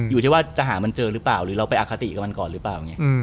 อยู่ที่ว่าจะหามันเจอหรือเปล่าหรือเราไปอคติกับมันก่อนหรือเปล่า